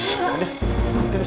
tidak ada tidak ada